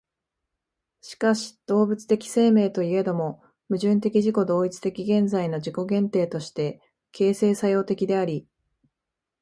しかし動物的生命といえども、矛盾的自己同一的現在の自己限定として形成作用的であり、